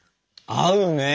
合うね！